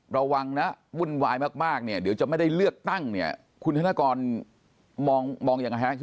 คุณธนกรนี่มองอย่างไหน